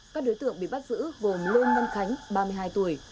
các đối tượng bị bắt giữ vồn lương văn khánh ba mươi hai tuổi